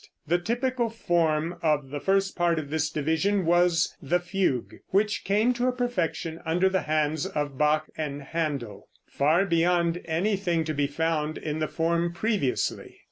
The typical form of the first part of this division was the fugue, which came to a perfection under the hands of Bach and Händel, far beyond anything to be found in the form previously.